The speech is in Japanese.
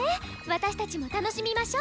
私たちも楽しみましょ！